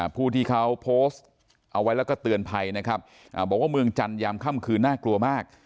ผู้ที่เขาโพสต์เอาไว้แล้วก็เตือนภัยนะครับบอกว่าเมืองจันทร์ยามค่ำคืนน่ากลัวมาก